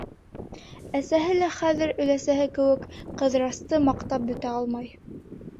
Әсәһе лә хәҙер, өләсәһе кеүек, Ҡыҙырасты маҡтап бөтә алмай.